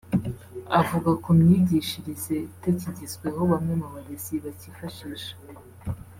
Avuga ku myigishirize itakigezweho bamwe mu barezi bacyifashisha